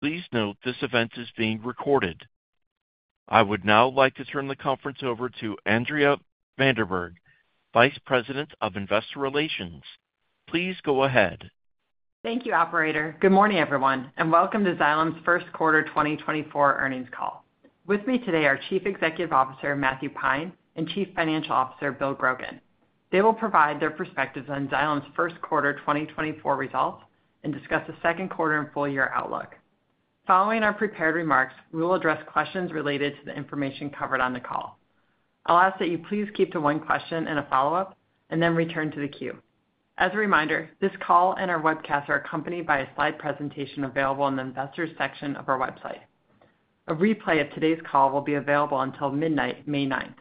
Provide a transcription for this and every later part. Please note this event is being recorded. I would now like to turn the conference over to Andrea van der Berg, Vice President of Investor Relations. Please go ahead. Thank you, Operator. Good morning, everyone, and welcome to Xylem's first quarter 2024 earnings call. With me today are Chief Executive Officer Matthew Pine and Chief Financial Officer Bill Grogan. They will provide their perspectives on Xylem's first quarter 2024 results and discuss the second quarter and full-year outlook. Following our prepared remarks, we will address questions related to the information covered on the call. I'll ask that you please keep to one question and a follow-up, and then return to the queue. As a reminder, this call and our webcast are accompanied by a slide presentation available in the Investors section of our website. A replay of today's call will be available until midnight, May 9.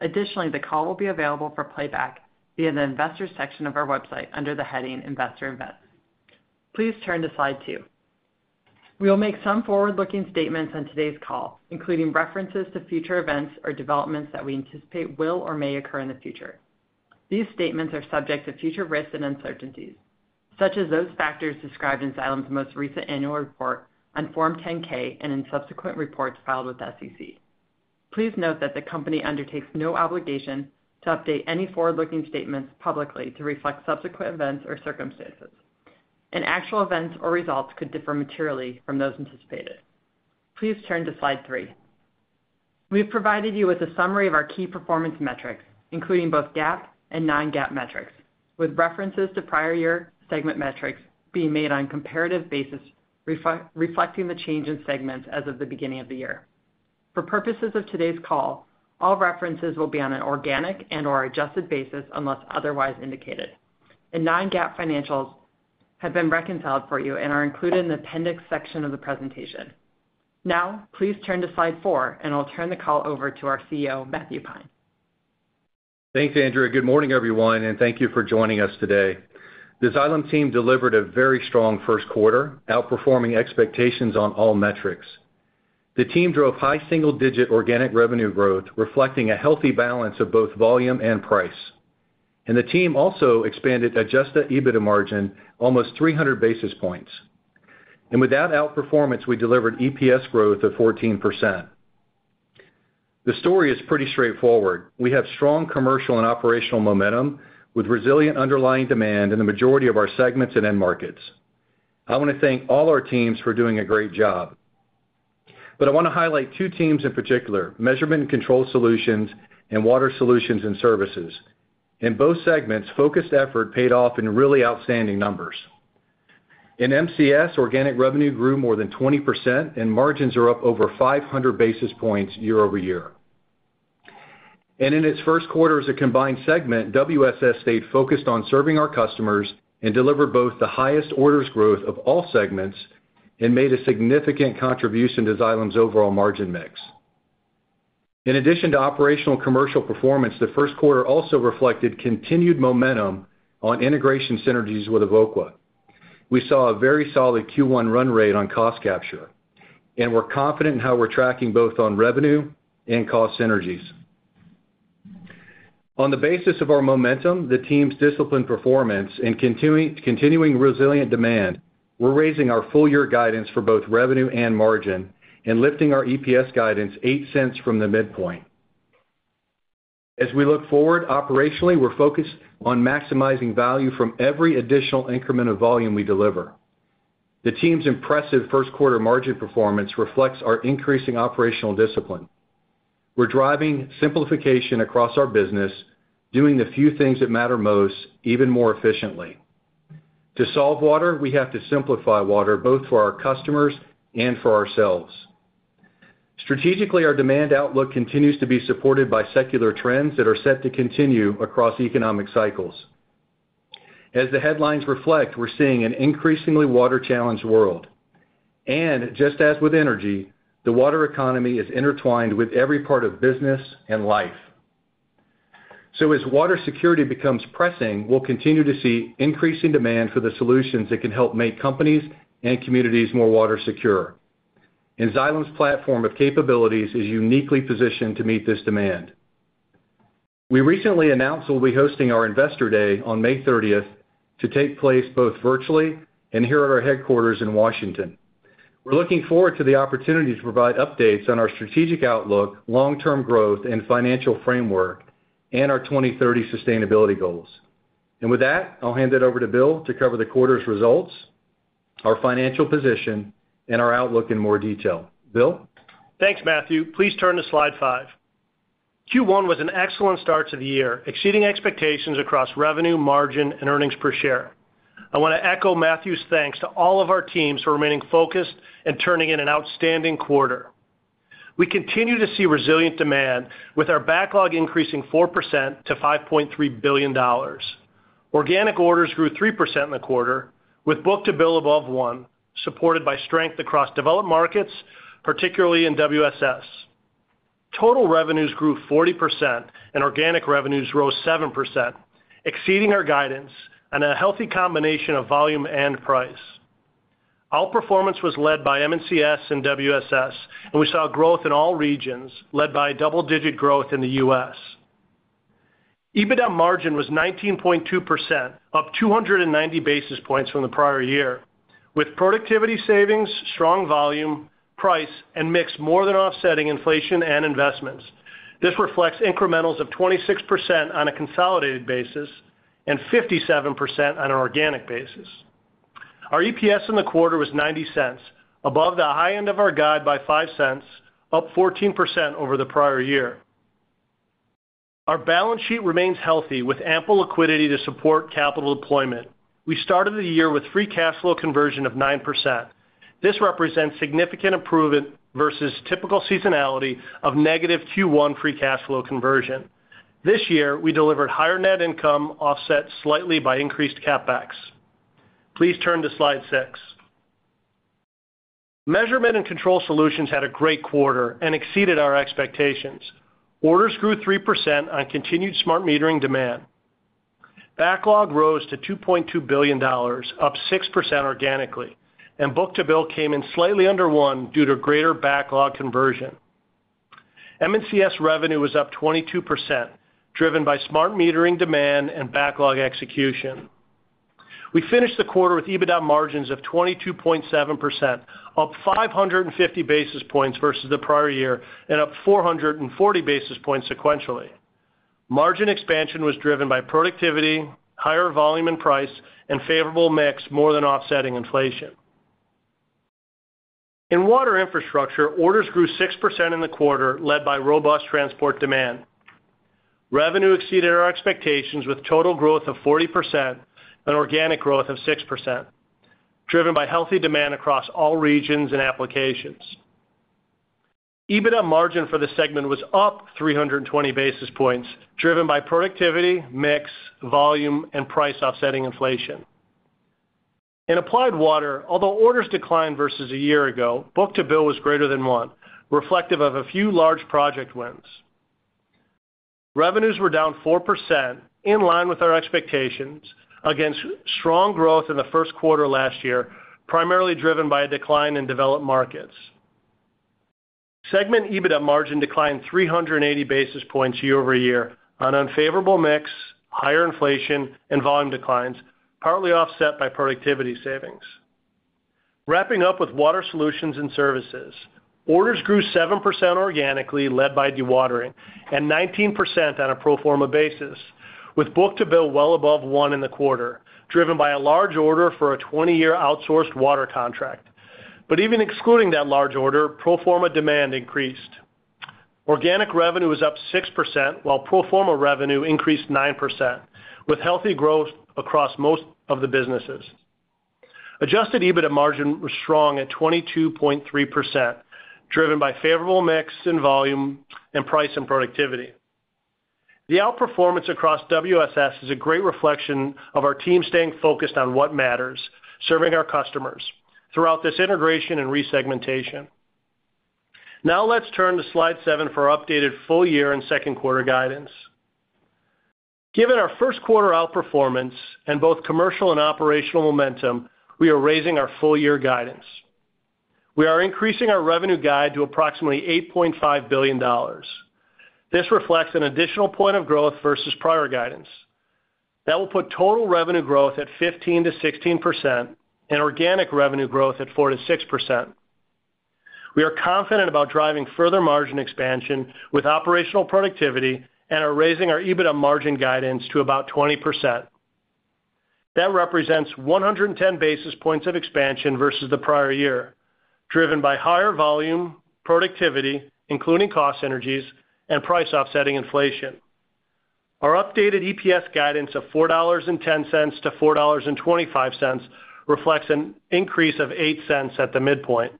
Additionally, the call will be available for playback via the Investors section of our website under the heading Investor Events. Please turn to slide two. We will make some forward-looking statements on today's call, including references to future events or developments that we anticipate will or may occur in the future. These statements are subject to future risks and uncertainties, such as those factors described in Xylem's most recent annual report on Form 10-K and in subsequent reports filed with SEC. Please note that the company undertakes no obligation to update any forward-looking statements publicly to reflect subsequent events or circumstances, and actual events or results could differ materially from those anticipated. Please turn to slide three. We've provided you with a summary of our key performance metrics, including both GAAP and non-GAAP metrics, with references to prior-year segment metrics being made on a comparative basis reflecting the change in segments as of the beginning of the year. For purposes of today's call, all references will be on an organic and/or adjusted basis unless otherwise indicated, and non-GAAP financials have been reconciled for you and are included in the appendix section of the presentation. Now, please turn to slide four, and I'll turn the call over to our CEO, Matthew Pine. Thanks, Andrea. Good morning, everyone, and thank you for joining us today. The Xylem team delivered a very strong first quarter, outperforming expectations on all metrics. The team drove high single-digit organic revenue growth, reflecting a healthy balance of both volume and price, and the team also expanded adjusted EBITDA margin almost 300 basis points. Without outperformance, we delivered EPS growth of 14%. The story is pretty straightforward. We have strong commercial and operational momentum with resilient underlying demand in the majority of our segments and end markets. I want to thank all our teams for doing a great job. But I want to highlight two teams in particular: Measurement and Control Solutions and Water Solutions and Services. In both segments, focused effort paid off in really outstanding numbers. In M&CS, organic revenue grew more than 20%, and margins are up over 500 basis points year-over-year. In its first quarter as a combined segment, WSS stayed focused on serving our customers and delivered both the highest orders growth of all segments and made a significant contribution to Xylem's overall margin mix. In addition to operational commercial performance, the first quarter also reflected continued momentum on integration synergies with Evoqua. We saw a very solid Q1 run rate on cost capture, and we're confident in how we're tracking both on revenue and cost synergies. On the basis of our momentum, the team's disciplined performance, and continuing resilient demand, we're raising our full-year guidance for both revenue and margin and lifting our EPS guidance $0.08 from the midpoint. As we look forward, operationally, we're focused on maximizing value from every additional increment of volume we deliver. The team's impressive first quarter margin performance reflects our increasing operational discipline. We're driving simplification across our business, doing the few things that matter most even more efficiently. To solve water, we have to simplify water, both for our customers and for ourselves. Strategically, our demand outlook continues to be supported by secular trends that are set to continue across economic cycles. As the headlines reflect, we're seeing an increasingly water-challenged world. And just as with energy, the water economy is intertwined with every part of business and life. So as water security becomes pressing, we'll continue to see increasing demand for the solutions that can help make companies and communities more water secure. And Xylem's platform of capabilities is uniquely positioned to meet this demand. We recently announced we'll be hosting our Investor Day on May 30 to take place both virtually and here at our headquarters in Washington. We're looking forward to the opportunity to provide updates on our strategic outlook, long-term growth, and financial framework, and our 2030 sustainability goals. With that, I'll hand it over to Bill to cover the quarter's results, our financial position, and our outlook in more detail. Bill? Thanks, Matthew. Please turn to slide five. Q1 was an excellent start to the year, exceeding expectations across revenue, margin, and earnings per share. I want to echo Matthew's thanks to all of our teams for remaining focused and turning in an outstanding quarter. We continue to see resilient demand, with our backlog increasing 4% to $5.3 billion. Organic orders grew 3% in the quarter, with book-to-bill above one, supported by strength across developed markets, particularly in WSS. Total revenues grew 40%, and organic revenues rose 7%, exceeding our guidance and a healthy combination of volume and price. Outperformance was led by M&CS and WSS, and we saw growth in all regions, led by double-digit growth in the U.S. EBITDA margin was 19.2%, up 290 basis points from the prior year, with productivity savings, strong volume, price, and mix more than offsetting inflation and investments. This reflects incrementals of 26% on a consolidated basis and 57% on an organic basis. Our EPS in the quarter was $0.90, above the high end of our guide by $0.05, up 14% over the prior year. Our balance sheet remains healthy, with ample liquidity to support capital deployment. We started the year with free cash flow conversion of 9%. This represents significant improvement versus typical seasonality of negative Q1 free cash flow conversion. This year, we delivered higher net income, offset slightly by increased capex. Please turn to slide six. Measurement and Control Solutions had a great quarter and exceeded our expectations. Orders grew 3% on continued smart metering demand. Backlog rose to $2.2 billion, up 6% organically, and book-to-bill came in slightly under one due to greater backlog conversion. MNCS revenue was up 22%, driven by smart metering demand and backlog execution. We finished the quarter with EBITDA margins of 22.7%, up 550 basis points versus the prior year and up 440 basis points sequentially. Margin expansion was driven by productivity, higher volume and price, and favorable mix more than offsetting inflation. In Water Infrastructure, orders grew 6% in the quarter, led by robust transport demand. Revenue exceeded our expectations, with total growth of 40% and organic growth of 6%, driven by healthy demand across all regions and applications. EBITDA margin for the segment was up 320 basis points, driven by productivity, mix, volume, and price offsetting inflation. In Applied Water, although orders declined versus a year ago, book-to-bill was greater than 1, reflective of a few large project wins. Revenues were down 4%, in line with our expectations, against strong growth in the first quarter last year, primarily driven by a decline in developed markets. Segment EBITDA margin declined 380 basis points year-over-year on unfavorable mix, higher inflation, and volume declines, partly offset by productivity savings. Wrapping up with Water Solutions and Services, orders grew 7% organically, led by dewatering, and 19% on a pro forma basis, with book-to-bill well above 1 in the quarter, driven by a large order for a 20-year outsourced water contract. But even excluding that large order, pro forma demand increased. Organic revenue was up 6%, while pro forma revenue increased 9%, with healthy growth across most of the businesses. Adjusted EBITDA margin was strong at 22.3%, driven by favorable mix in volume and price and productivity. The outperformance across WSS is a great reflection of our team staying focused on what matters, serving our customers, throughout this integration and resegmentation. Now let's turn to slide seven for updated full-year and second quarter guidance. Given our first quarter outperformance and both commercial and operational momentum, we are raising our full-year guidance. We are increasing our revenue guide to approximately $8.5 billion. This reflects an additional point of growth versus prior guidance. That will put total revenue growth at 15%-16% and organic revenue growth at 4%-6%. We are confident about driving further margin expansion with operational productivity and are raising our EBITDA margin guidance to about 20%. That represents 110 basis points of expansion versus the prior year, driven by higher volume, productivity, including cost synergies, and price offsetting inflation. Our updated EPS guidance of $4.10-$4.25 reflects an increase of $0.08 at the midpoint.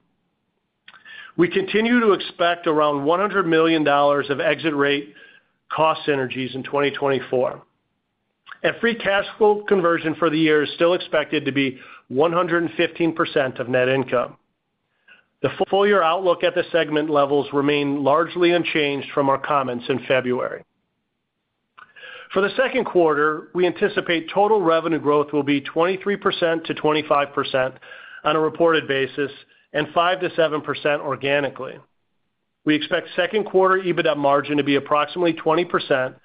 We continue to expect around $100 million of exit rate cost synergies in 2024, and free cash flow conversion for the year is still expected to be 115% of net income. The full-year outlook at the segment levels remains largely unchanged from our comments in February. For the second quarter, we anticipate total revenue growth will be 23%-25% on a reported basis and 5%-7% organically. We expect second quarter EBITDA margin to be approximately 20%,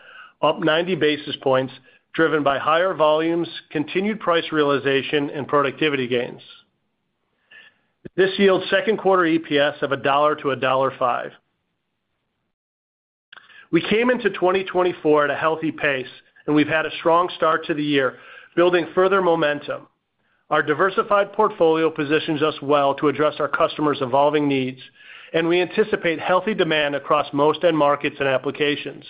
up 90 basis points, driven by higher volumes, continued price realization, and productivity gains. This yields second quarter EPS of $1-$1.05. We came into 2024 at a healthy pace, and we've had a strong start to the year, building further momentum. Our diversified portfolio positions us well to address our customers' evolving needs, and we anticipate healthy demand across most end markets and applications.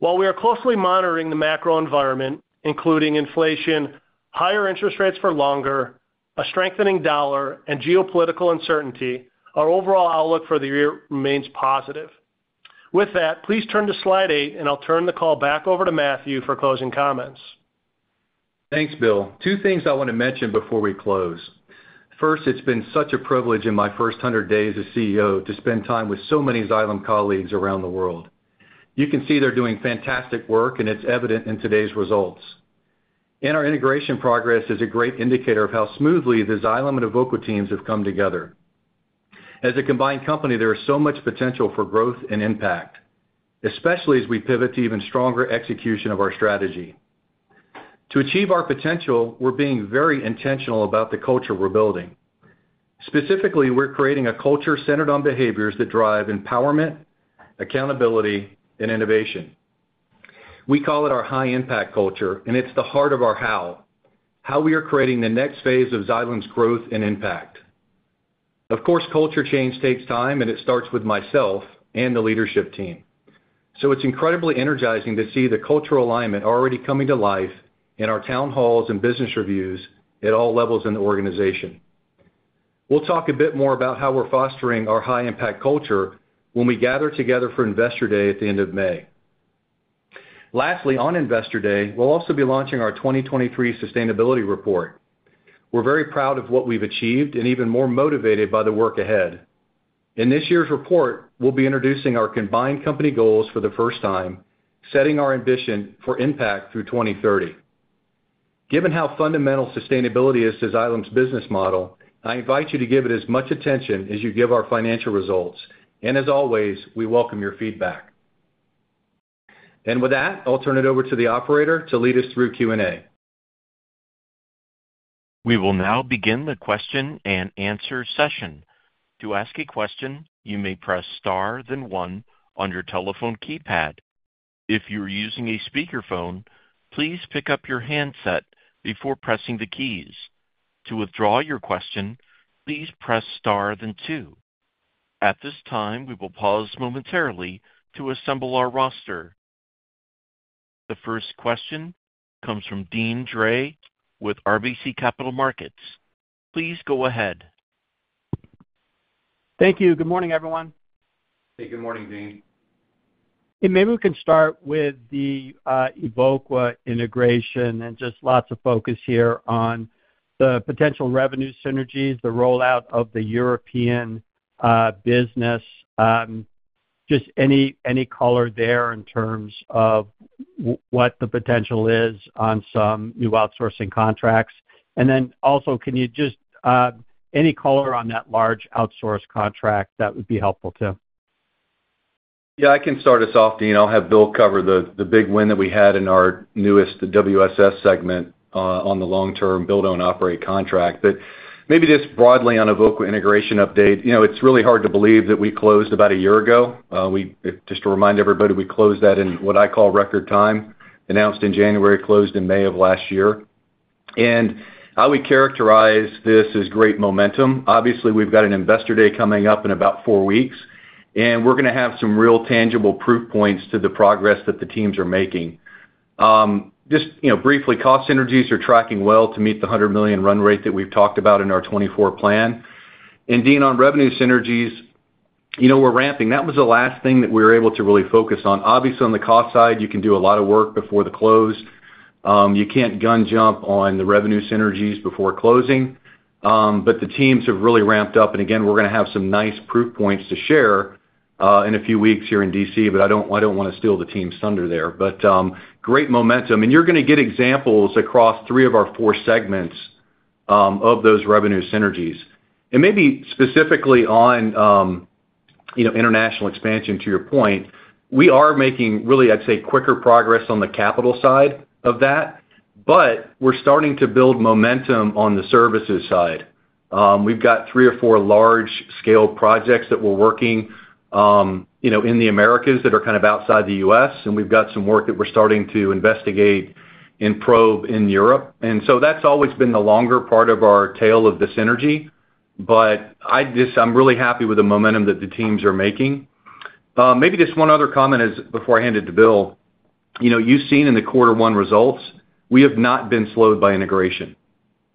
While we are closely monitoring the macro environment, including inflation, higher interest rates for longer, a strengthening dollar, and geopolitical uncertainty, our overall outlook for the year remains positive. With that, please turn to slide eight, and I'll turn the call back over to Matthew for closing comments. Thanks, Bill. Two things I want to mention before we close. First, it's been such a privilege in my first 100 days as CEO to spend time with so many Xylem colleagues around the world. You can see they're doing fantastic work, and it's evident in today's results. And our integration progress is a great indicator of how smoothly the Xylem and Evoqua teams have come together. As a combined company, there is so much potential for growth and impact, especially as we pivot to even stronger execution of our strategy. To achieve our potential, we're being very intentional about the culture we're building. Specifically, we're creating a culture centered on behaviors that drive empowerment, accountability, and innovation. We call it our high-impact culture, and it's the heart of our how, how we are creating the next phase of Xylem's growth and impact. Of course, culture change takes time, and it starts with myself and the leadership team. So it's incredibly energizing to see the cultural alignment already coming to life in our town halls and business reviews at all levels in the organization. We'll talk a bit more about how we're fostering our high-impact culture when we gather together for Investor Day at the end of May. Lastly, on Investor Day, we'll also be launching our 2023 sustainability report. We're very proud of what we've achieved and even more motivated by the work ahead. In this year's report, we'll be introducing our combined company goals for the first time, setting our ambition for impact through 2030. Given how fundamental sustainability is to Xylem's business model, I invite you to give it as much attention as you give our financial results. And as always, we welcome your feedback. With that, I'll turn it over to the operator to lead us through Q&A. We will now begin the question and answer session. To ask a question, you may press star then one on your telephone keypad. If you are using a speakerphone, please pick up your handset before pressing the keys. To withdraw your question, please press star then two. At this time, we will pause momentarily to assemble our roster. The first question comes from Deane Dray with RBC Capital Markets. Please go ahead. Thank you. Good morning, everyone. Hey, good morning, Deane. Maybe we can start with the Evoqua integration and just lots of focus here on the potential revenue synergies, the rollout of the European business, just any color there in terms of what the potential is on some new outsourcing contracts. And then also, can you just any color on that large outsource contract that would be helpful too? Yeah, I can start us off, Deane. I'll have Bill cover the big win that we had in our newest WSS segment on the long-term build-own-operate contract. But maybe just broadly on Evoqua integration update, it's really hard to believe that we closed about a year ago. Just to remind everybody, we closed that in what I call record time, announced in January, closed in May of last year. And I would characterize this as great momentum. Obviously, we've got an Investor Day coming up in about four weeks, and we're going to have some real tangible proof points to the progress that the teams are making. Just briefly, cost synergies are tracking well to meet the $100 million run rate that we've talked about in our 2024 plan. And Dean, on revenue synergies, we're ramping. That was the last thing that we were able to really focus on. Obviously, on the cost side, you can do a lot of work before the close. You can't gun-jump on the revenue synergies before closing. But the teams have really ramped up. And again, we're going to have some nice proof points to share in a few weeks here in D.C., but I don't want to steal the team's thunder there. But great momentum. And you're going to get examples across three of our four segments of those revenue synergies. And maybe specifically on international expansion, to your point, we are making really, I'd say, quicker progress on the capital side of that, but we're starting to build momentum on the services side. We've got three or four large-scale projects that we're working in the Americas that are kind of outside the U.S., and we've got some work that we're starting to investigate and probe in Europe. And so that's always been the longer part of our tail of the synergy. But I'm really happy with the momentum that the teams are making. Maybe just one other comment before I hand it to Bill. You've seen in the quarter one results, we have not been slowed by integration.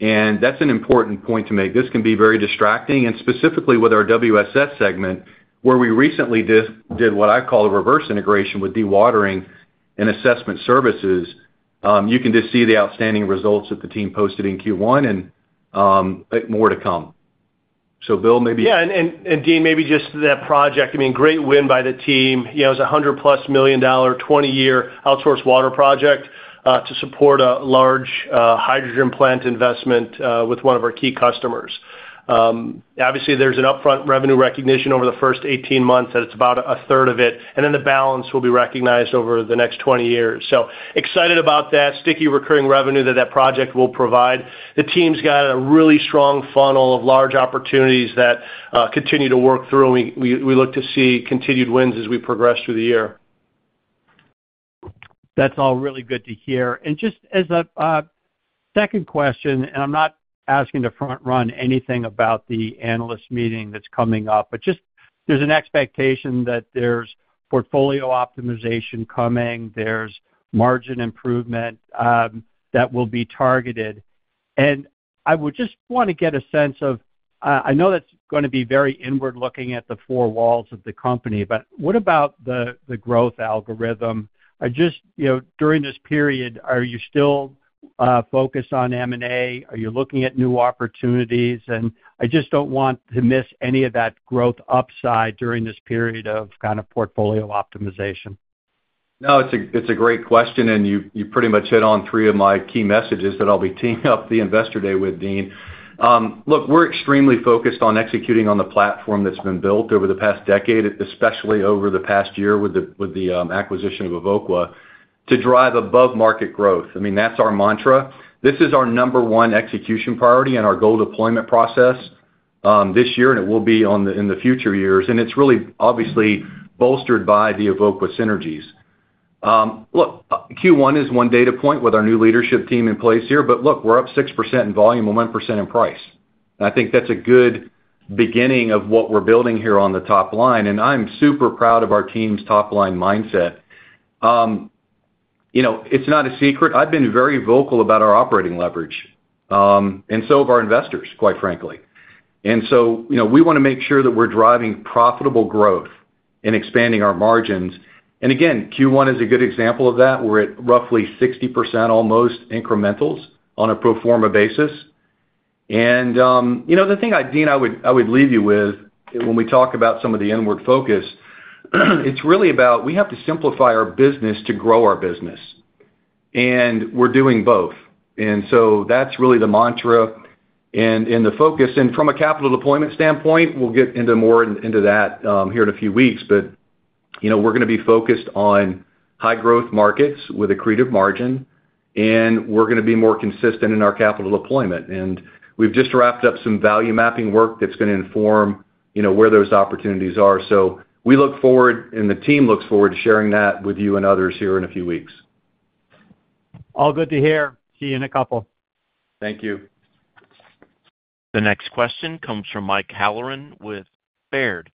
And that's an important point to make. This can be very distracting. And specifically with our WSS segment, where we recently did what I call a reverse integration with dewatering and assessment services, you can just see the outstanding results that the team posted in Q1 and more to come. So Bill, maybe. Yeah. And Dean, maybe just that project. I mean, great win by the team. It was a $100+ million, 20-year outsourced water project to support a large hydrogen plant investment with one of our key customers. Obviously, there's an upfront revenue recognition over the first 18 months, and it's about a third of it. And then the balance will be recognized over the next 20 years. So excited about that sticky recurring revenue that that project will provide. The team's got a really strong funnel of large opportunities that continue to work through, and we look to see continued wins as we progress through the year. That's all really good to hear. And just as a second question, and I'm not asking to front-run anything about the analyst meeting that's coming up, but just there's an expectation that there's portfolio optimization coming, there's margin improvement that will be targeted. And I would just want to get a sense of I know that's going to be very inward-looking at the four walls of the company, but what about the growth algorithm? During this period, are you still focused on M&A? Are you looking at new opportunities? And I just don't want to miss any of that growth upside during this period of kind of portfolio optimization. No, it's a great question, and you pretty much hit on three of my key messages that I'll be teeing up the Investor Day with, Dean. Look, we're extremely focused on executing on the platform that's been built over the past decade, especially over the past year with the acquisition of Evoqua, to drive above-market growth. I mean, that's our mantra. This is our number one execution priority and our goal deployment process this year, and it will be in the future years. And it's really, obviously, bolstered by the Evoqua synergies. Look, Q1 is one data point with our new leadership team in place here, but look, we're up 6% in volume and 1% in price. And I'm super proud of our team's top-line mindset. It's not a secret. I've been very vocal about our operating leverage and so have our investors, quite frankly. And so we want to make sure that we're driving profitable growth and expanding our margins. And again, Q1 is a good example of that. We're at roughly 60% almost incrementals on a pro forma basis. And the thing I, Deane, I would leave you with when we talk about some of the inward focus, it's really about we have to simplify our business to grow our business. And we're doing both. And so that's really the mantra and the focus. And from a capital deployment standpoint, we'll get into more into that here in a few weeks. But we're going to be focused on high-growth markets with a creative margin, and we're going to be more consistent in our capital deployment. We've just wrapped up some value mapping work that's going to inform where those opportunities are. We look forward, and the team looks forward, to sharing that with you and others here in a few weeks. All good to hear. See you in a couple. Thank you. The next question comes from Mike Halloran with Baird.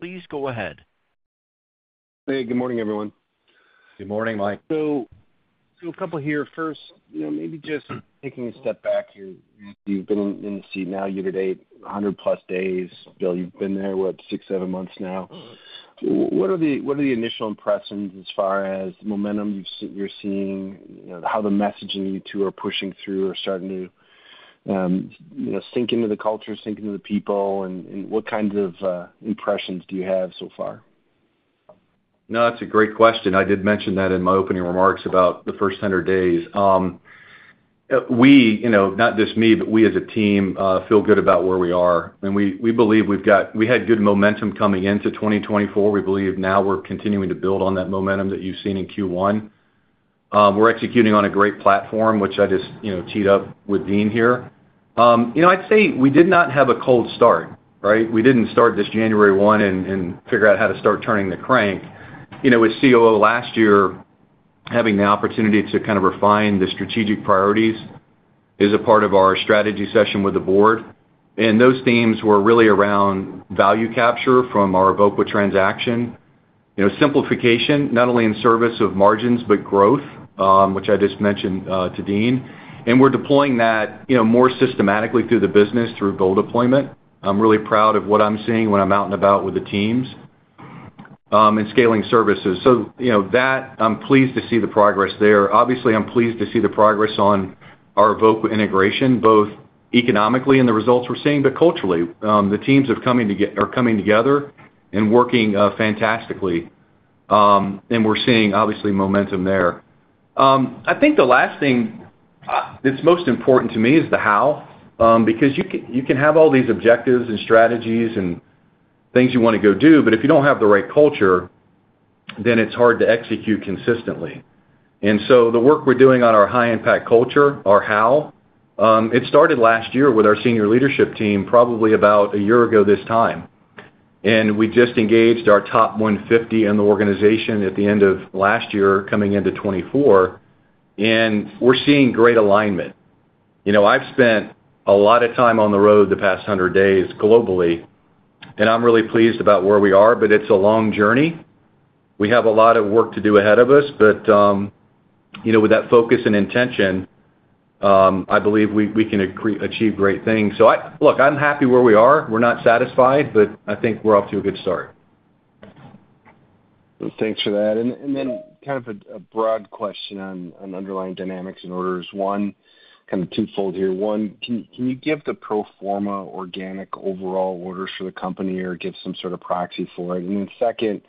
Please go ahead. Hey, good morning, everyone. Good morning, Mike. So a couple here. First, maybe just taking a step back here. You've been in the seat now year to date, 100+ days. Bill, you've been there, what, six, seven months now. What are the initial impressions as far as the momentum you're seeing, how the messaging you two are pushing through are starting to sink into the culture, sink into the people, and what kinds of impressions do you have so far? No, that's a great question. I did mention that in my opening remarks about the first 100 days. Not just me, but we as a team feel good about where we are. And we believe we had good momentum coming into 2024. We believe now we're continuing to build on that momentum that you've seen in Q1. We're executing on a great platform, which I just teed up with Deane here. I'd say we did not have a cold start, right? We didn't start this January 1 and figure out how to start turning the crank. With COO last year, having the opportunity to kind of refine the strategic priorities is a part of our strategy session with the board. And those themes were really around value capture from our Evoqua transaction, simplification, not only in service of margins but growth, which I just mentioned to Deane. We're deploying that more systematically through the business, through goal deployment. I'm really proud of what I'm seeing when I'm out and about with the teams and scaling services. So that, I'm pleased to see the progress there. Obviously, I'm pleased to see the progress on our Evoqua integration, both economically in the results we're seeing, but culturally. The teams are coming together and working fantastically. And we're seeing, obviously, momentum there. I think the last thing that's most important to me is the how because you can have all these objectives and strategies and things you want to go do, but if you don't have the right culture, then it's hard to execute consistently. And so the work we're doing on our high-impact culture, our how, it started last year with our senior leadership team, probably about a year ago this time. We just engaged our top 150 in the organization at the end of last year, coming into 2024. We're seeing great alignment. I've spent a lot of time on the road the past 100 days globally, and I'm really pleased about where we are, but it's a long journey. We have a lot of work to do ahead of us. With that focus and intention, I believe we can achieve great things. Look, I'm happy where we are. We're not satisfied, but I think we're off to a good start. Thanks for that. And then kind of a broad question on underlying dynamics and orders. Kind of twofold here. One, can you give the pro forma organic overall orders for the company or give some sort of proxy for it? And then second,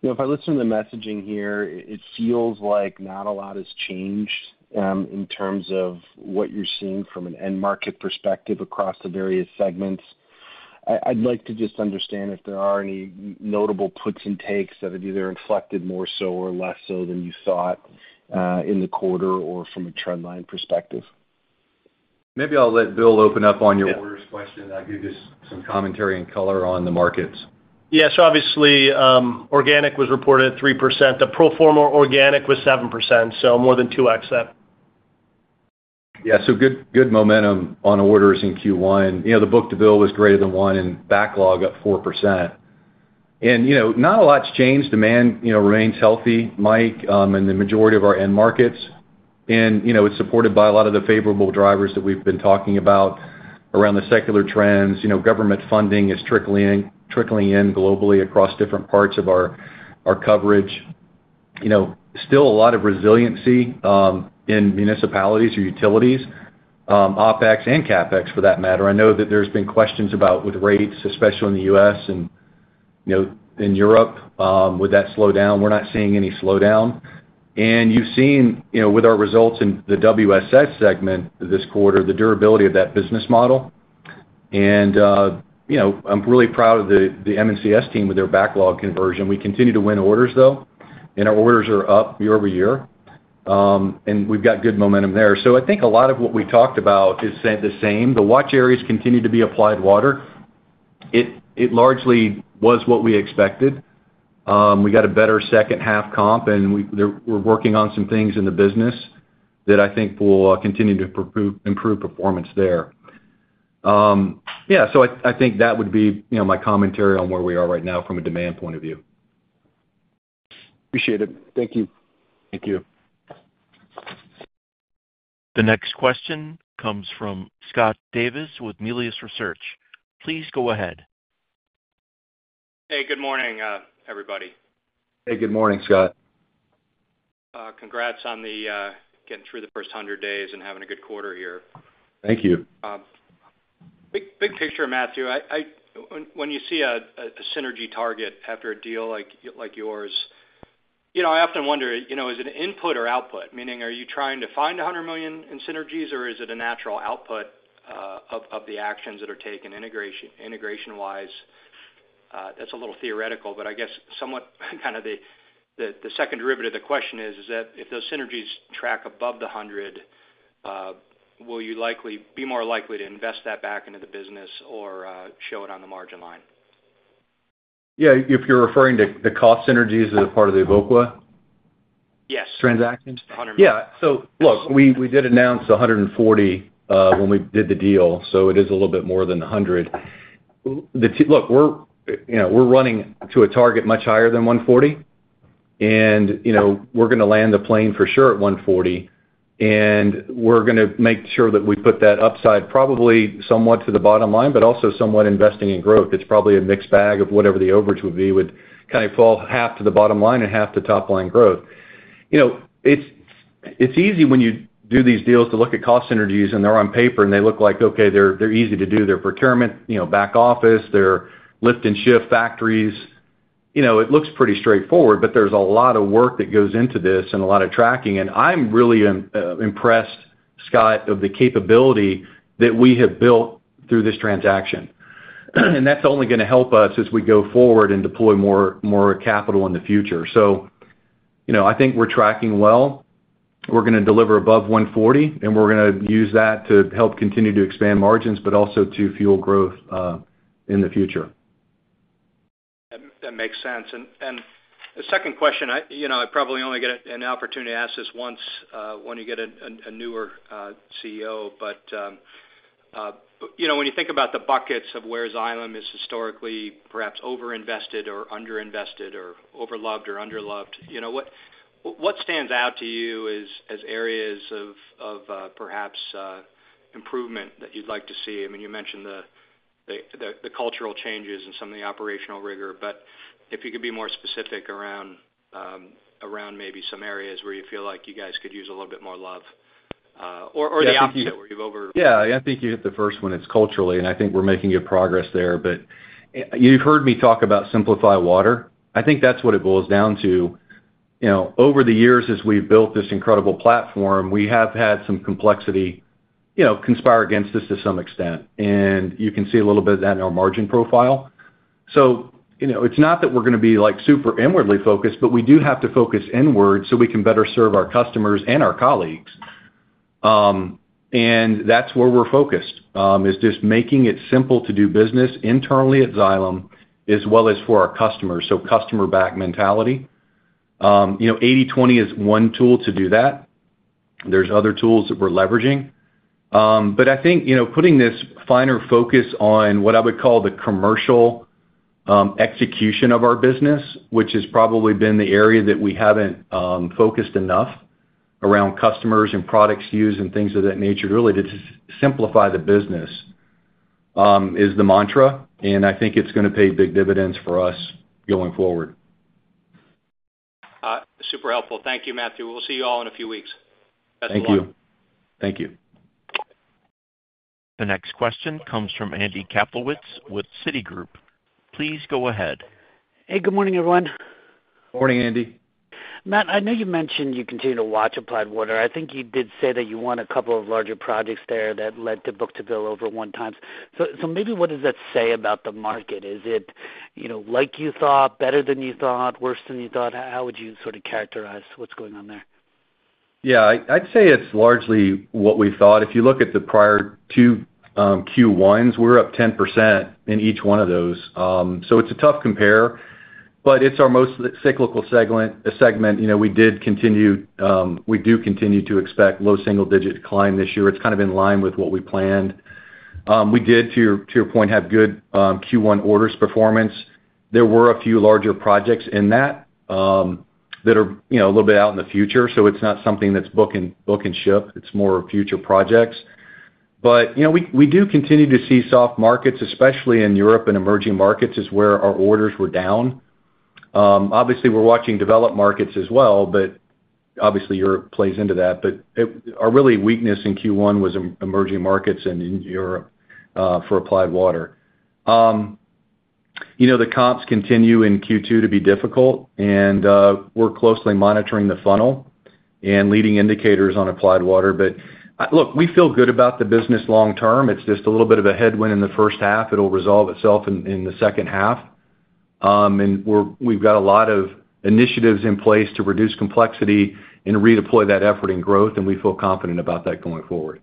if I listen to the messaging here, it feels like not a lot has changed in terms of what you're seeing from an end-market perspective across the various segments. I'd like to just understand if there are any notable puts and takes that have either inflected more so or less so than you thought in the quarter or from a trendline perspective. Maybe I'll let Bill open up on your orders question. I'll give you some commentary and color on the markets. Yeah. So obviously, organic was reported at 3%. The pro forma organic was 7%, so more than 2x that. Yeah. So good momentum on orders in Q1. The Book-to-Bill was greater than one and backlog at 4%. And not a lot's changed. Demand remains healthy, Mike, in the majority of our end markets. And it's supported by a lot of the favorable drivers that we've been talking about around the secular trends. Government funding is trickling in globally across different parts of our coverage. Still, a lot of resiliency in municipalities or utilities, OpEx and CapEx, for that matter. I know that there's been questions about with rates, especially in the U.S. and in Europe, would that slow down? We're not seeing any slowdown. And you've seen with our results in the WSS segment this quarter, the durability of that business model. And I'm really proud of the M&CS team with their backlog conversion. We continue to win orders, though, and our orders are up year-over-year. We've got good momentum there. I think a lot of what we talked about is the same. The watch areas continue to be Applied Water. It largely was what we expected. We got a better second-half comp, and we're working on some things in the business that I think will continue to improve performance there. Yeah. I think that would be my commentary on where we are right now from a demand point of view. Appreciate it. Thank you. Thank you. The next question comes from Scott Davis with Melius Research. Please go ahead. Hey, good morning, everybody. Hey, good morning, Scott. Congrats on getting through the first 100 days and having a good quarter here. Thank you. Big picture, Matthew. When you see a synergy target after a deal like yours, I often wonder, is it an input or output? Meaning, are you trying to find $100 million in synergies, or is it a natural output of the actions that are taken integration-wise? That's a little theoretical, but I guess somewhat kind of the second derivative of the question is, is that if those synergies track above the 100, will you be more likely to invest that back into the business or show it on the margin line? Yeah. If you're referring to the cost synergies as part of the Evoqua transaction? Yes. $100 million. Yeah. So look, we did announce $140 when we did the deal, so it is a little bit more than $100. Look, we're running to a target much higher than $140, and we're going to land the plane for sure at $140. And we're going to make sure that we put that upside probably somewhat to the bottom line, but also somewhat investing in growth. It's probably a mixed bag of whatever the overage would be, would kind of fall half to the bottom line and half to top-line growth. It's easy when you do these deals to look at cost synergies, and they're on paper, and they look like, "Okay, they're easy to do. They're procurement, back office. They're lift and shift factories." It looks pretty straightforward, but there's a lot of work that goes into this and a lot of tracking. I'm really impressed, Scott, of the capability that we have built through this transaction. That's only going to help us as we go forward and deploy more capital in the future. I think we're tracking well. We're going to deliver above $140, and we're going to use that to help continue to expand margins, but also to fuel growth in the future. That makes sense. The second question, I probably only get an opportunity to ask this once when you get a new CEO. When you think about the buckets of where Xylem is historically perhaps overinvested or underinvested or overloved or underloved, what stands out to you as areas of perhaps improvement that you'd like to see? I mean, you mentioned the cultural changes and some of the operational rigor, but if you could be more specific around maybe some areas where you feel like you guys could use a little bit more love or the opposite, where you've over. Yeah. I think you hit the first one. It's culturally, and I think we're making good progress there. But you've heard me talk about simplify water. I think that's what it boils down to. Over the years, as we've built this incredible platform, we have had some complexity conspire against us to some extent. And you can see a little bit of that in our margin profile. So it's not that we're going to be super inwardly focused, but we do have to focus inward so we can better serve our customers and our colleagues. And that's where we're focused, is just making it simple to do business internally at Xylem as well as for our customers, so customer-backed mentality. 80/20 is one tool to do that. There's other tools that we're leveraging. I think putting this finer focus on what I would call the commercial execution of our business, which has probably been the area that we haven't focused enough around customers and products used and things of that nature to really simplify the business, is the mantra. I think it's going to pay big dividends for us going forward. Super helpful. Thank you, Matthew. We'll see you all in a few weeks. Best of luck. Thank you. Thank you. The next question comes from Andy Kaplowitz with Citigroup. Please go ahead. Hey, good morning, everyone. Morning, Andy. Matt, I know you mentioned you continue to watch Applied Water. I think you did say that you won a couple of larger projects there that led to book-to-bill over one time. So maybe what does that say about the market? Is it like you thought, better than you thought, worse than you thought? How would you sort of characterize what's going on there? Yeah. I'd say it's largely what we thought. If you look at the prior two Q1s, we're up 10% in each one of those. So it's a tough compare, but it's our most cyclical segment. We do continue to expect low single-digit decline this year. It's kind of in line with what we planned. We did, to your point, have good Q1 orders performance. There were a few larger projects in that that are a little bit out in the future, so it's not something that's book and ship. It's more future projects. But we do continue to see soft markets, especially in Europe and emerging markets, is where our orders were down. Obviously, we're watching developed markets as well, but obviously, Europe plays into that. But our really weakness in Q1 was emerging markets and in Europe for Applied Water. The comps continue in Q2 to be difficult, and we're closely monitoring the funnel and leading indicators on Applied Water. But look, we feel good about the business long term. It's just a little bit of a headwind in the first half. It'll resolve itself in the second half. We've got a lot of initiatives in place to reduce complexity and redeploy that effort in growth, and we feel confident about that going forward.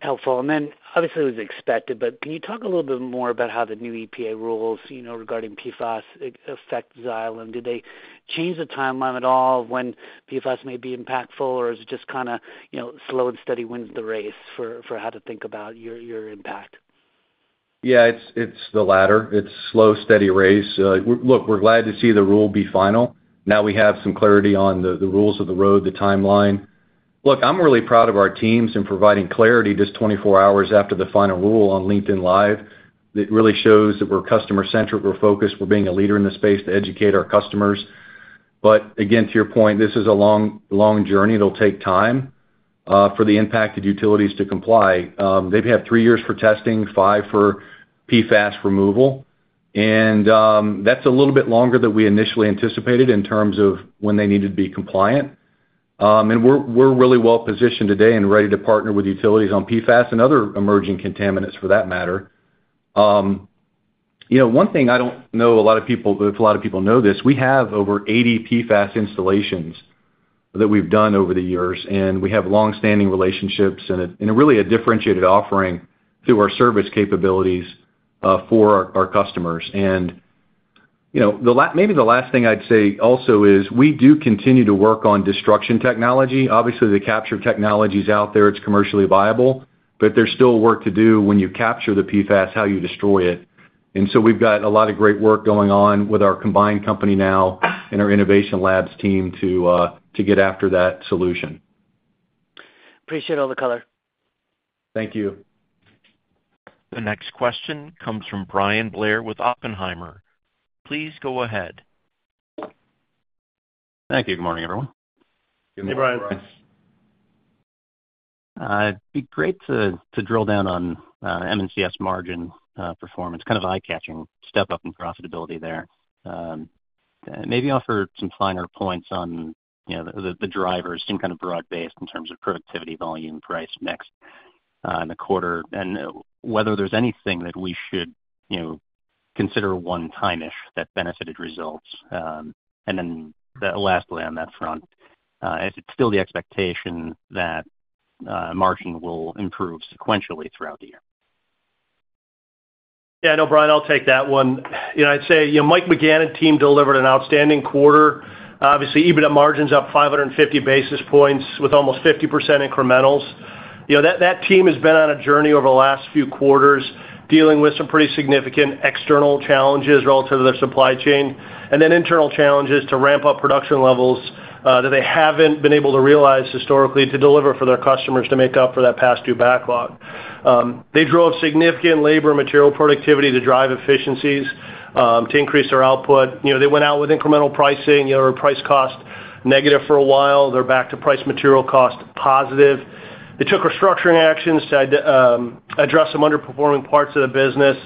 Helpful. And then obviously, it was expected, but can you talk a little bit more about how the new EPA rules regarding PFAS affect Xylem? Did they change the timeline at all of when PFAS may be impactful, or is it just kind of slow and steady wins the race for how to think about your impact? Yeah. It's the latter. It's slow, steady race. Look, we're glad to see the rule be final. Now we have some clarity on the rules of the road, the timeline. Look, I'm really proud of our teams in providing clarity just 24 hours after the final rule on LinkedIn Live. It really shows that we're customer-centered. We're focused. We're being a leader in the space to educate our customers. But again, to your point, this is a long journey. It'll take time for the impacted utilities to comply. They've had three years for testing, five for PFAS removal. And that's a little bit longer than we initially anticipated in terms of when they needed to be compliant. And we're really well positioned today and ready to partner with utilities on PFAS and other emerging contaminants, for that matter. One thing I don't know a lot of people if a lot of people know this, we have over 80 PFAS installations that we've done over the years, and we have longstanding relationships and really a differentiated offering through our service capabilities for our customers. And maybe the last thing I'd say also is we do continue to work on destruction technology. Obviously, the capture technology's out there. It's commercially viable, but there's still work to do when you capture the PFAS, how you destroy it. And so we've got a lot of great work going on with our combined company now and our innovation labs team to get after that solution. Appreciate all the color. Thank you. The next question comes from Bryan Blair with Oppenheimer. Please go ahead. Thank you. Good morning, everyone. Hey, Bryan. It'd be great to drill down on M&CS margin performance. Kind of eye-catching step up in profitability there. Maybe offer some finer points on the drivers, seem kind of broad-based in terms of productivity, volume, price mix in the quarter, and whether there's anything that we should consider one time-ish that benefited results. And then lastly on that front, is it still the expectation that margin will improve sequentially throughout the year? Yeah. No, Brian, I'll take that one. I'd say Mike McGann and team delivered an outstanding quarter, obviously, EBITDA margins up 550 basis points with almost 50% incrementals. That team has been on a journey over the last few quarters dealing with some pretty significant external challenges relative to their supply chain and then internal challenges to ramp up production levels that they haven't been able to realize historically to deliver for their customers to make up for that past due backlog. They drove significant labor and material productivity to drive efficiencies, to increase their output. They went out with incremental pricing. They were price-cost negative for a while. They're back to price-material cost positive. They took restructuring actions to address some underperforming parts of the business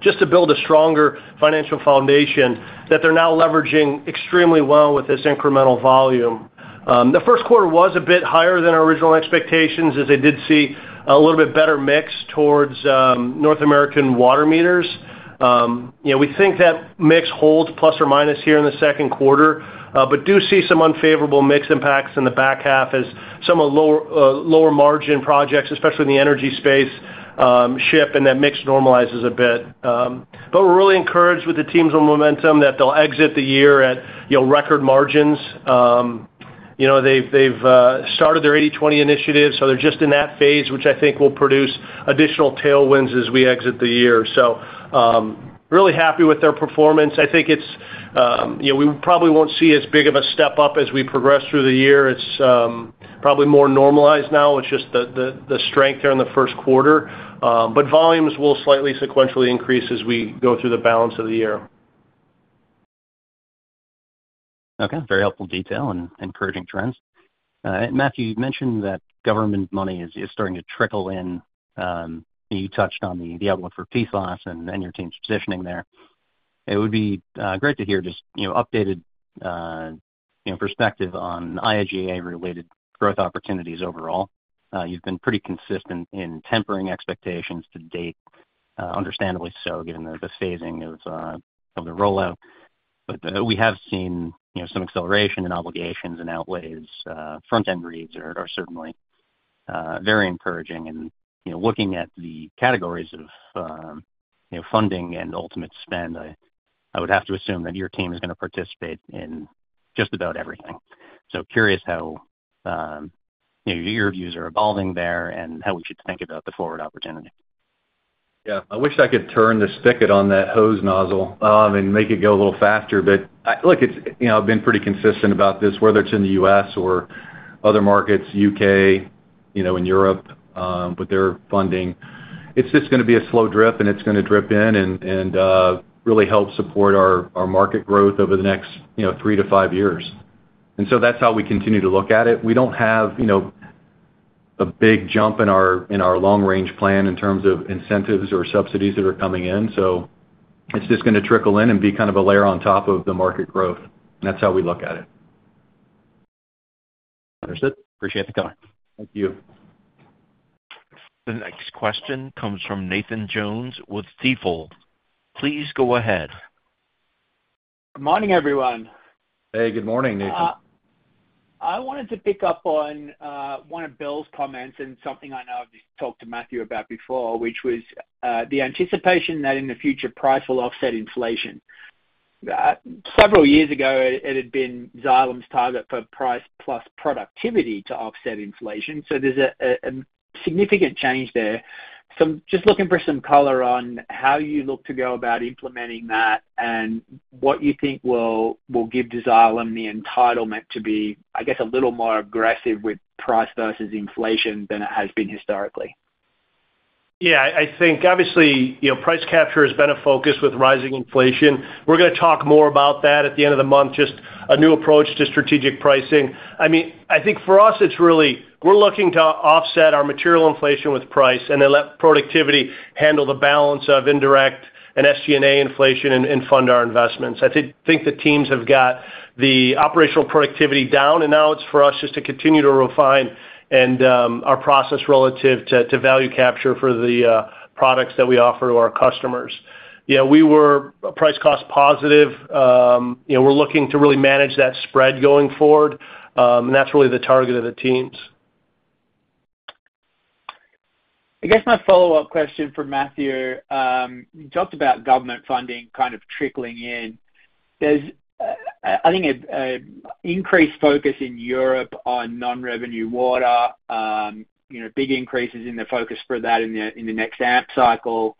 just to build a stronger financial foundation that they're now leveraging extremely well with this incremental volume. The first quarter was a bit higher than our original expectations as they did see a little bit better mix towards North American water meters. We think that mix holds plus or minus here in the second quarter, but do see some unfavorable mix impacts in the back half as some of lower-margin projects, especially in the energy space, ship, and that mix normalizes a bit. But we're really encouraged with the teams on momentum that they'll exit the year at record margins. They've started their 80/20 initiative, so they're just in that phase, which I think will produce additional tailwinds as we exit the year. So really happy with their performance. I think we probably won't see as big of a step up as we progress through the year. It's probably more normalized now. It's just the strength here in the first quarter. But volumes will slightly sequentially increase as we go through the balance of the year. Okay. Very helpful detail and encouraging trends. Matthew, you mentioned that government money is starting to trickle in. You touched on the outlook for PFAS and your team's positioning there. It would be great to hear just updated perspective on IIJA-related growth opportunities overall. You've been pretty consistent in tempering expectations to date, understandably so given the phasing of the rollout. But we have seen some acceleration in obligations and outlays. Front-end reads are certainly very encouraging. And looking at the categories of funding and ultimate spend, I would have to assume that your team is going to participate in just about everything. So curious how your views are evolving there and how we should think about the forward opportunity. Yeah. I wish I could turn the spigot on that hose nozzle and make it go a little faster. But look, I've been pretty consistent about this, whether it's in the U.S. or other markets, U.K., and Europe with their funding. It's just going to be a slow drip, and it's going to drip in and really help support our market growth over the next three to five years. And so that's how we continue to look at it. We don't have a big jump in our long-range plan in terms of incentives or subsidies that are coming in. So it's just going to trickle in and be kind of a layer on top of the market growth. And that's how we look at it. Understood. Appreciate the comment. Thank you. The next question comes from Nathan Jones with Stifel. Please go ahead. Morning, everyone. Hey. Good morning, Nathan. I wanted to pick up on one of Bill's comments and something I know I've talked to Matthew about before, which was the anticipation that in the future, price will offset inflation. Several years ago, it had been Xylem's target for price plus productivity to offset inflation. So there's a significant change there. So I'm just looking for some color on how you look to go about implementing that and what you think will give Xylem the entitlement to be, I guess, a little more aggressive with price versus inflation than it has been historically. Yeah. I think, obviously, price capture has been a focus with rising inflation. We're going to talk more about that at the end of the month, just a new approach to strategic pricing. I mean, I think for us, it's really we're looking to offset our material inflation with price, and then let productivity handle the balance of indirect and SG&A inflation and fund our investments. I think the teams have got the operational productivity down, and now it's for us just to continue to refine our process relative to value capture for the products that we offer to our customers. Yeah. We were price-cost positive. We're looking to really manage that spread going forward, and that's really the target of the teams. I guess my follow-up question for Matthew. You talked about government funding kind of trickling in. I think an increased focus in Europe on non-revenue water, big increases in the focus for that in the next AMP cycle,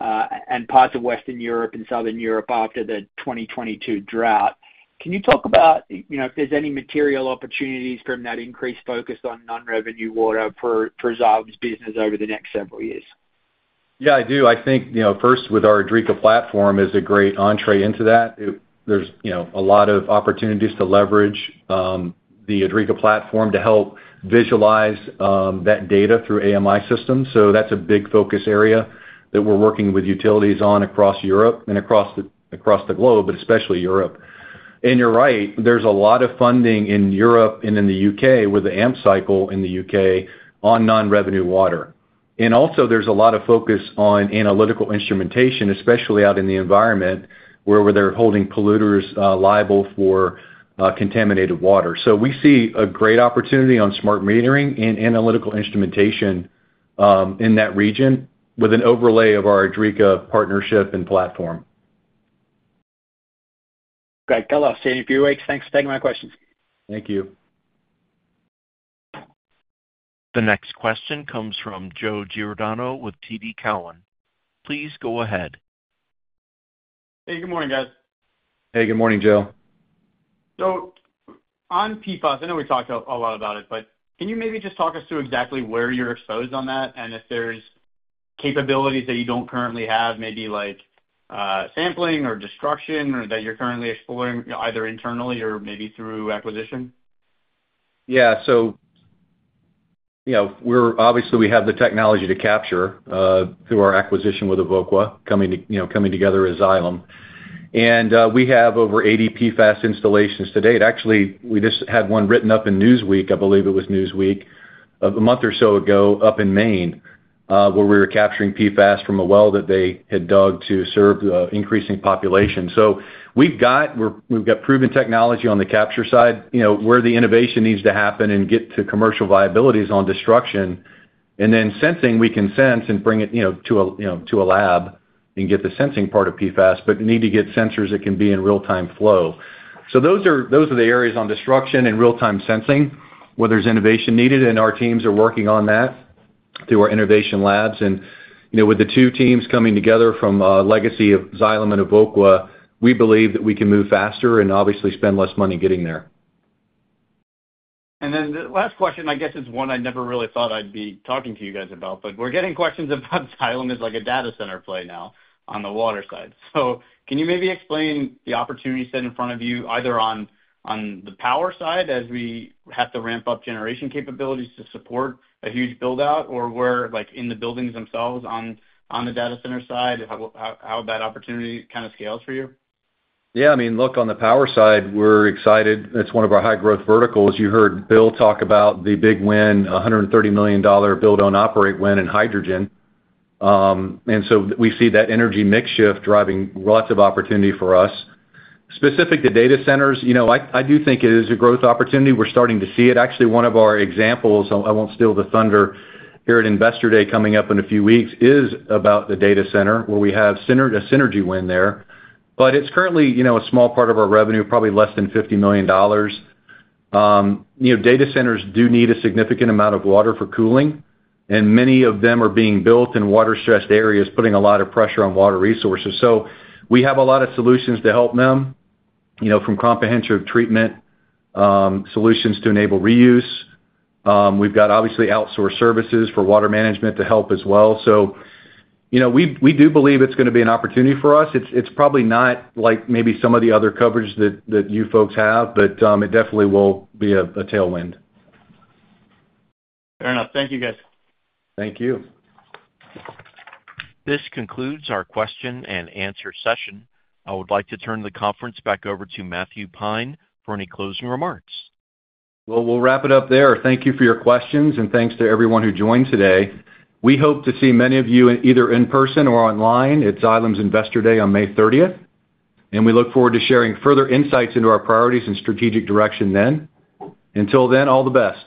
and parts of Western Europe and Southern Europe after the 2022 drought. Can you talk about if there's any material opportunities from that increased focus on non-revenue water for Xylem's business over the next several years? Yeah, I do. I think first, with our Idrica platform is a great entrée into that. There's a lot of opportunities to leverage the Idrica platform to help visualize that data through AMI systems. So that's a big focus area that we're working with utilities on across Europe and across the globe, but especially Europe. And you're right. There's a lot of funding in Europe and in the U.K. with the AMP cycle in the U.K. on non-revenue water. And also, there's a lot of focus on analytical instrumentation, especially out in the environment where they're holding polluters liable for contaminated water. So we see a great opportunity on smart metering and analytical instrumentation in that region with an overlay of our Idrica partnership and platform. Great. Good luck in few weeks. Thanks for taking my questions. Thank you. The next question comes from Joe Giordano with TD Cowen. Please go ahead. Hey. Good morning, guys. Hey. Good morning, Joe. On PFAS, I know we talked a lot about it, but can you maybe just talk us through exactly where you're exposed on that and if there's capabilities that you don't currently have, maybe like sampling or destruction that you're currently exploring either internally or maybe through acquisition? Yeah. So obviously, we have the technology to capture through our acquisition with Evoqua coming together as Xylem. And we have over 80 PFAS installations to date. Actually, we just had one written up in Newsweek, I believe it was Newsweek, a month or so ago up in Maine where we were capturing PFAS from a well that they had dug to serve the increasing population. So we've got proven technology on the capture side, where the innovation needs to happen and get to commercial viabilities on destruction. And then sensing, we can sense and bring it to a lab and get the sensing part of PFAS, but need to get sensors that can be in real-time flow. So those are the areas on destruction and real-time sensing where there's innovation needed. And our teams are working on that through our innovation labs. With the two teams coming together from legacy of Xylem and Evoqua, we believe that we can move faster and obviously spend less money getting there. And then the last question, I guess, is one I never really thought I'd be talking to you guys about, but we're getting questions about Xylem as a data center play now on the water side. So can you maybe explain the opportunity set in front of you, either on the power side as we have to ramp up generation capabilities to support a huge buildout, or where in the buildings themselves on the data center side, how that opportunity kind of scales for you? Yeah. I mean, look, on the power side, we're excited. It's one of our high-growth verticals. You heard Bill talk about the big win, $130 million build-own-operate win in hydrogen. And so we see that energy mix shift driving lots of opportunity for us. Specific to data centers, I do think it is a growth opportunity. We're starting to see it. Actually, one of our examples - I won't steal the thunder - here at Investor Day coming up in a few weeks is about the data center where we have a synergy win there. But it's currently a small part of our revenue, probably less than $50 million. Data centers do need a significant amount of water for cooling, and many of them are being built in water-stressed areas, putting a lot of pressure on water resources. So we have a lot of solutions to help them from comprehensive treatment solutions to enable reuse. We've got, obviously, outsourced services for water management to help as well. So we do believe it's going to be an opportunity for us. It's probably not like maybe some of the other coverage that you folks have, but it definitely will be a tailwind. Fair enough. Thank you, guys. Thank you. This concludes our question-and-answer session. I would like to turn the conference back over to Matthew Pine for any closing remarks. Well, we'll wrap it up there. Thank you for your questions, and thanks to everyone who joined today. We hope to see many of you either in person or online at Xylem's Investor Day on May 30. We look forward to sharing further insights into our priorities and strategic direction then. Until then, all the best.